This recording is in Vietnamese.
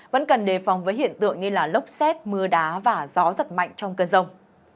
vẫn cần đề phòng với hiện tượng như lốc xét mưa đá và gió giật mạnh trong cơn rông